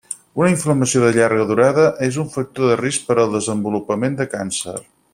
Una inflamació de llarga durada és un factor de risc per al desenvolupament de càncer.